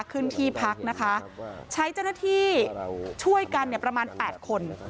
ขึ้นที่พักนะคะใช้เจ้าหน้าที่ช่วยกันเนี่ยประมาณ๘คน